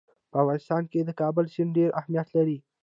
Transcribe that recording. په افغانستان کې د کابل سیند ډېر اهمیت لري.